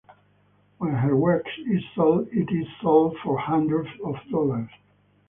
When her work is sold it is sold for hundreds of dollars.